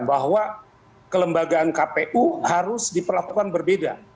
bahwa kelembagaan kpu harus diperlakukan berbeda